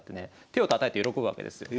手をたたいて喜ぶわけですよ。